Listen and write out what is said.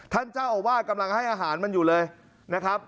ท่านเจ้าอาวาสกำลังให้อาหารมันอยู่เลยนะครับ